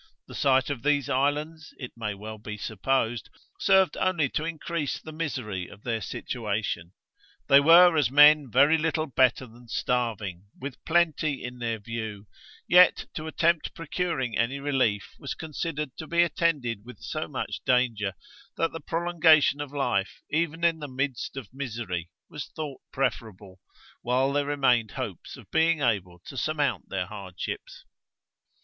The sight of these islands, it may well be supposed, served only to increase the misery of their situation. They were as men very little better than starving with plenty in their view; yet, to attempt procuring any relief was considered to be attended with so much danger, that the prolongation of life, even in the midst of misery, was thought preferable, while there remained hopes of being able to surmount their hardships.